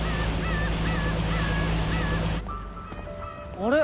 あれ？